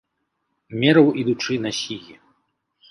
Мераў, ідучы, на сігі.